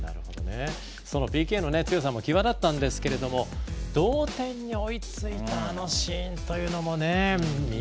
そのＰＫの強さも際立ったんですけれども同点に追いついたあのシーンというのもね。